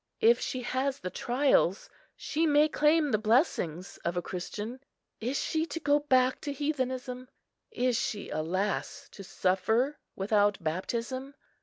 If she has the trials, she may claim the blessings of a Christian. Is she to go back to heathenism? Is she, alas! to suffer without baptism?